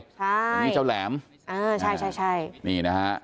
ใช่นี่เจ้าแหลมเออใช่ใช่นี่นะฮะ